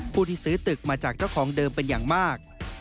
ผู้ที่ซื้อตึกมาจากเจ้าของเดิมเป็นอย่างมาก